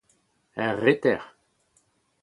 er reter.